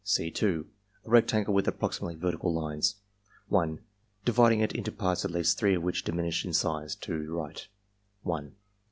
(c*) A rectangle with approximately vertical lines 1. Dividing it into parts at least 3 of which diminish in size to the right ^..